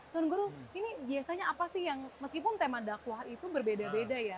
tuan guru ini biasanya apa sih yang meskipun tema dakwah itu berbeda beda ya